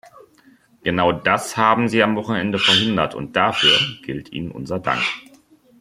Genau das haben Sie am Wochenende verhindert, und dafür gilt Ihnen unser Dank!